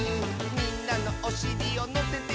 「みんなのおしりをのせてあげるよ」